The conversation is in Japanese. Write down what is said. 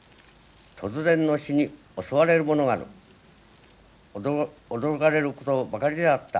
突然の死に襲われるものがある、驚かれることばかりであった」。